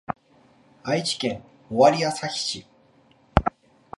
愛知県尾張旭市